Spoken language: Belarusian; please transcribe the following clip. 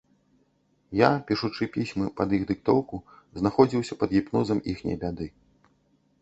Я, пішучы пісьмы пад іх дыктоўку, знаходзіўся пад гіпнозам іхняй бяды.